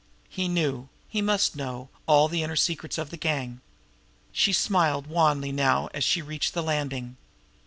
He knew, he must know, all the inner secrets of the gang. She smiled wanly now as she reached the landing.